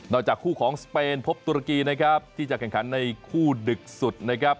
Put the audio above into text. จากคู่ของสเปนพบตุรกีนะครับที่จะแข่งขันในคู่ดึกสุดนะครับ